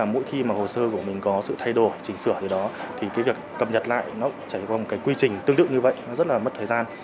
mỗi khi mà hồ sơ của mình có sự thay đổi chỉnh sửa thì đó thì cái việc cập nhật lại nó chảy qua một quy trình tương đựng như vậy rất là mất thời gian